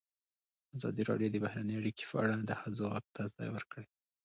ازادي راډیو د بهرنۍ اړیکې په اړه د ښځو غږ ته ځای ورکړی.